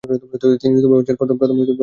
তিনিই ঐ অঞ্চলে প্রথম ব্রাহ্ম প্রচারক ছিলেন।